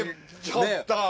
ちょっと。